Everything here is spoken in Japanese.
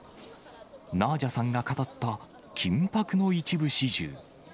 ナージャさんが語った、緊迫の一部始終。